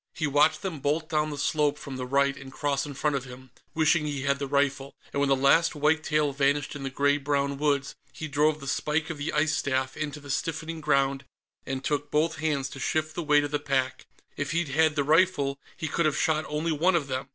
He watched them bolt down the slope from the right and cross in front of him, wishing he had the rifle, and when the last white tail vanished in the gray brown woods he drove the spike of the ice staff into the stiffening ground and took both hands to shift the weight of the pack. If he'd had the rifle, he could have shot only one of them.